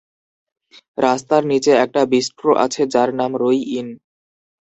রাস্তার নিচে একটা বিস্ট্রো আছে যার নাম রোই ইন।